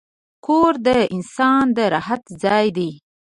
کور د انسان د راحت ځای دی.